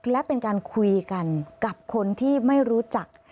และเป็นการคุยกันกับคนที่ไม่รู้จัก